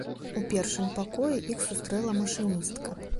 У першым пакоі іх сустрэла машыністка.